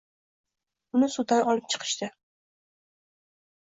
Uni suvdan olib chiqishdi